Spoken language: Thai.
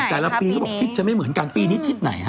แต่ละปีเขาบอกทิศจะไม่เหมือนกันปีนี้ทิศไหนฮะ